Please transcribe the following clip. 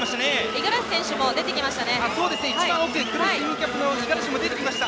五十嵐選手も出てきました。